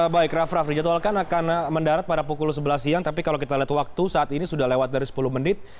baik raff raff dijadwalkan akan mendarat pada pukul sebelas siang tapi kalau kita lihat waktu saat ini sudah lewat dari sepuluh menit